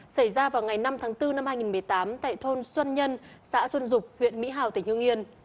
xảy ra vào ngày năm tháng bốn năm hai nghìn một mươi tám tại thôn xuân nhân xã xuân dục huyện mỹ hào tỉnh hương yên